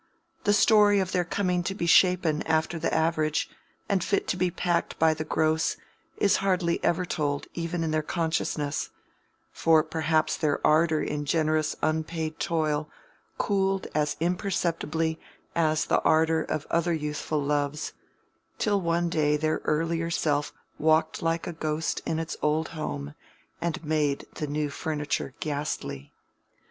The story of their coming to be shapen after the average and fit to be packed by the gross, is hardly ever told even in their consciousness; for perhaps their ardor in generous unpaid toil cooled as imperceptibly as the ardor of other youthful loves, till one day their earlier self walked like a ghost in its old home and made the new furniture ghastly.